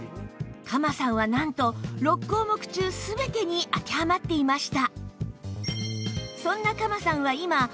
鎌さんはなんと６項目中全てに当てはまっていました